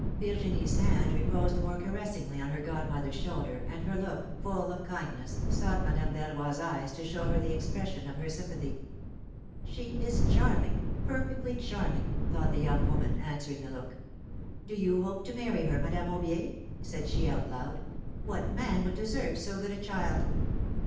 Virginie's hand reposed more caressingly on her godmother's shoulder, and her look, full of kindness, sought Madame Verroy's eyes, to show her the expression of her sympathy. '^She is charming — perfectly charming," thought the young woman, answering the look. ^^Do you hope to marry her, Madame Aubier?"said slie, out loud. "What man would deserve so good a child?"